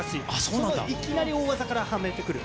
そのいきなり大技からはめてくる。